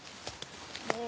もう！